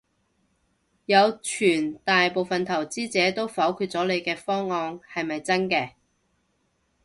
有傳大部份投資者都否決咗你嘅方案，係咪真嘅？